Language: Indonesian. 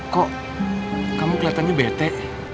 kok kamu keliatannya bete